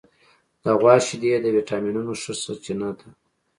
د غوا شیدې د وټامینونو ښه سرچینه ده.